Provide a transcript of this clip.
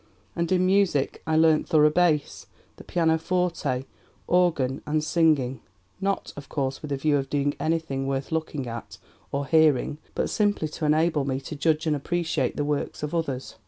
and in music I learnt thorough bass, the pianoforte, organ, and singing not, of course, with a view of doing anything worth looking at or hearing, but simply to enable me to judge and appreciate the works of others."